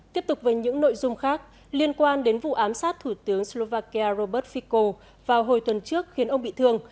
tiếp tục với những nội dung khác liên quan đến vụ ám sát thủ tướng slovakia robert fico vào hồi tuần trước khiến ông bị thương